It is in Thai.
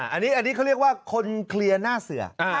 อันนี้เขาเรียกว่าคนเคลียร์หน้าเสือ